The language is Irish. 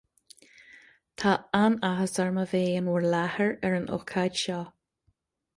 Tá an-áthas orm a bheith in bhur láthair ar an ócáid seo